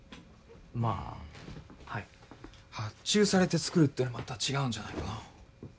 まあはい発注されて作るってのはまた違うんじゃないかな